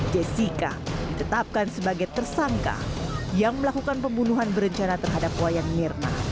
jessica ditetapkan sebagai tersangka yang melakukan pembunuhan berencana terhadap wayan mirna